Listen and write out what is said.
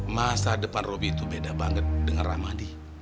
masa depan robby itu beda banget dengan rahmadi